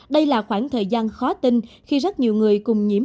đây là khoảng thời gian khó tin khi rất nhiều người cùng nhiễm